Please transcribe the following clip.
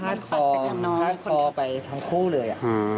ขนาดผ่อนขนาดผ่อนไปทั้งคู่เลย